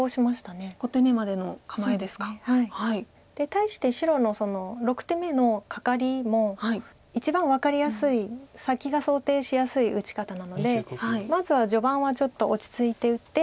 対して白の６手目のカカリも一番分かりやすい先が想定しやすい打ち方なのでまずは序盤はちょっと落ち着いて打って。